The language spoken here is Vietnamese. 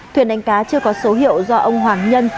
thuyền đánh cá chưa có số hiệu do ông hoàng nhân